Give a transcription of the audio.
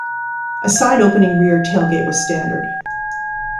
A side-opening rear tailgate was standard.